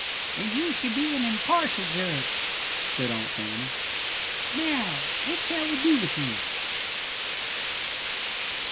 "Then you should be an impartial judge," said Aunt Fanny. "Now what shall we do with him?"